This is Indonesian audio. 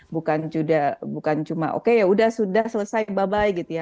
bukan cuma oke yaudah sudah selesai bye bye gitu ya